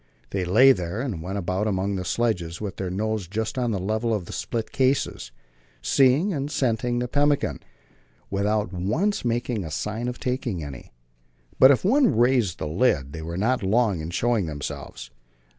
They lay there and went about among the sledges with their noses just on a level with the split cases, seeing and scenting the pemmican, without once making a sign of taking any. But if one raised a lid, they were not long in showing themselves.